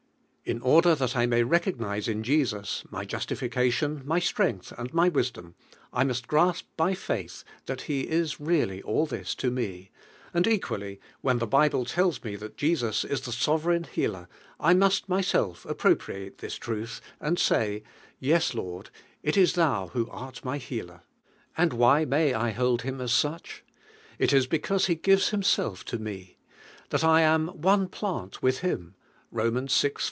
In order thai i may recognise in Jesus, iiiv justification, my strength and my wisdom, I must grasp by faith thai lie is really all tins to me; and equally when the Bible tells me thai Jesus is the sovereign Healer, I tMisi myself appropriate this truth, and say, "Yes, Lord, it is Thou who art my Healer." And why may I hold Him as sueh? It is because lie gives Himself to me, that 1 am "one plant with Him" (Rom. vi. ".